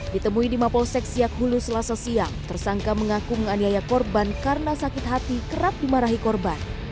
ditemui di mapolsek siak hulu selasa siang tersangka mengaku menganiaya korban karena sakit hati kerap dimarahi korban